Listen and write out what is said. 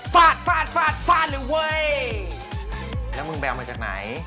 ฟัดฟัดฟัดฟันเหลือเว้ยแล้วมึงแบมมาจากไหน